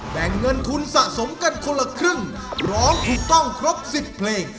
แบ่งเงินทุนสะสมกันคนละครึ่งร้องถูกต้องครบ๑๐เพลง